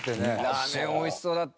ラーメン美味しそうだった。